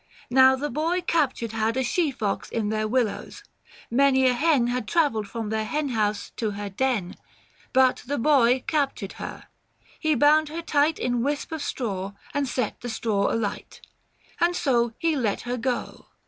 Now the boy captured had A she fox in their willows — many a hen 805 Had travelled from their hen house to her den. But the boy captured her ; he bound her tight In wisp of straw, and set the straw alight, And so he let her go.